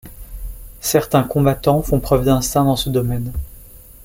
Certains combattants font preuve d’instinct dans ce domaine.